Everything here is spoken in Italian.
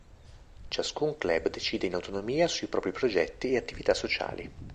Ciascun club decide in autonomia sui propri progetti e attività sociali.